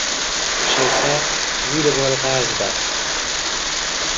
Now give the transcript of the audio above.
شرکت زیر بار قرض رفت.